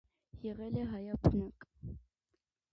Եղել է հայաբնակ։